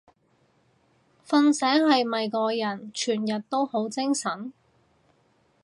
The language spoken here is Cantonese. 瞓醒係咪個人全日都好精神？